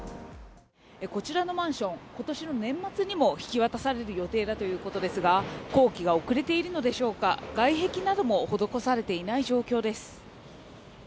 こちらのマンション、ことしの年末にも引き渡される予定だということですが、工期が遅れているのでしょうか、外壁なども施されていない状況です。